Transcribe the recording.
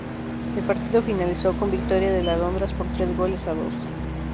El partido finalizó con victoria del Alondras por tres goles a dos.